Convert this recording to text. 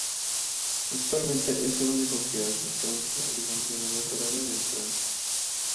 Actualmente es el único que hace trance igual a la edad dorada del trance.